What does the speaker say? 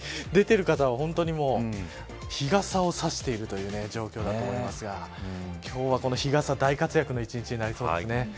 日なたに出ている方は日傘を差しているという状況だと思いますが今日は、この日傘大活躍の１日になりそうですね。